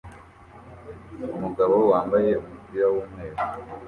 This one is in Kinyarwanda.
Umugabo wambaye umupira w,umweru